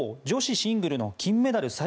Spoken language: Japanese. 女子シングルの金メダル